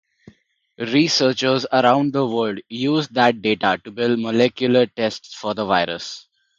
Researchers around the world used that data to build molecular tests for the virus.